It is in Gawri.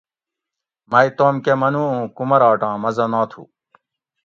مئ توم کہ منُو اُوں کُمراٹاں مزہ ناتھُو